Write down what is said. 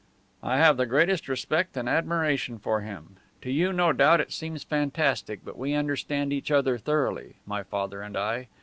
"I have the greatest respect and admiration for him. To you no doubt it seems fantastic; but we understand each other thoroughly, my father and I.